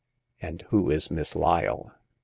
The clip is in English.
'' And who is Miss Lyle ?